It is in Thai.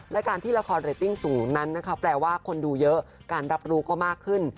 และการที่ละครเรตติ้งสูงนั้นนะคะแปลว่าคนดูเยอะการรับรู้ก็มากขึ้น